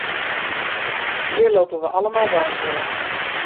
Hier lopen we allemaal warm voor.